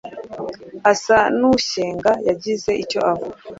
asa n’ushyenga yagize icyo avuga